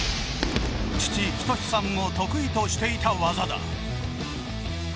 父、仁さんも得意としていた技だ。